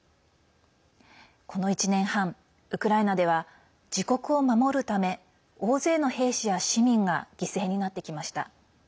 この１年半、ウクライナでは自国を守るため大勢の兵士や市民が犠牲になってきました。